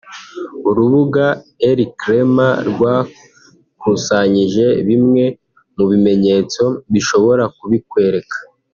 urubuga Elcrema rwakusanyije bimwe mu bimenyetso bishobora kubikwereka